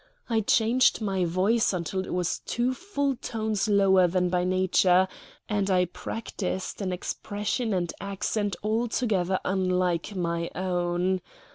I changed my voice until it was two full tones lower than by nature, and I practised an expression and accent altogether unlike my own.